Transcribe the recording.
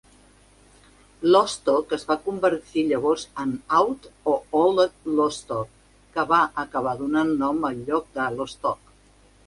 Lostock es va convertir llavors en "Auld" o "Old Lostock", que va acabar donant lloc al nom de Allostock.